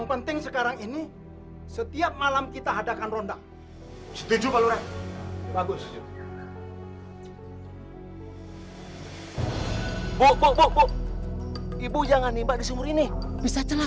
heee dikasih tahu kok nggak percaya